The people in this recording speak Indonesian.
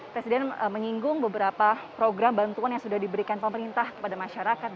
presiden menyinggung beberapa program bantuan yang sudah diberikan pemerintah kepada masyarakat